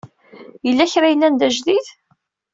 Yella kra yellan d ajdid?